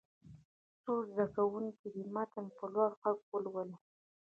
څو زده کوونکي دې متن په لوړ غږ ولولي.